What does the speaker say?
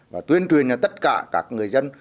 và tuyên truyền cho tất cả các người dân